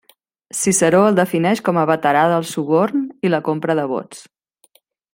Ciceró el defineix com a veterà del suborn i la compra de vots.